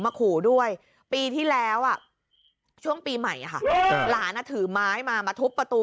ขู่ด้วยปีที่แล้วช่วงปีใหม่ค่ะหลานถือไม้มามาทุบประตู